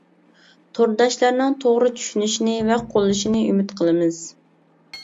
تورداشلارنىڭ توغرا چۈشىنىشىنى ۋە قوللىشىنى ئۈمىد قىلىمىز.